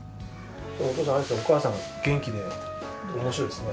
お母さん元気でおもしろいですね。